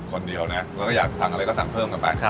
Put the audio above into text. คนเดียวนะแล้วก็อยากสั่งอะไรก็สั่งเพิ่มกันไป